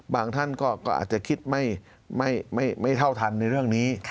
ท่านก็อาจจะคิดไม่เท่าทันในเรื่องนี้